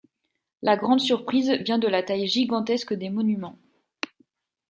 La grande surprise vient de la taille gigantesque des monuments.